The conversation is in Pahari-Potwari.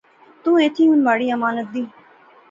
تو ایتھیں ہن مہاڑی امانت دئیں